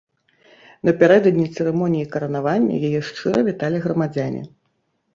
Напярэдадні цырымоніі каранавання, яе шчыра віталі грамадзяне.